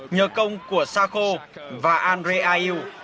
nhờ công của sarko và andre aiu